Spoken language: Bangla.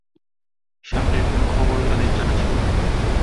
সামনের কোন খবরও তাদের জানা ছিল না।